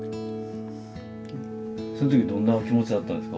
その時どんなお気持ちだったんですか？